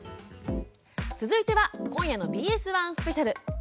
続いては今夜のＢＳ１スペシャル。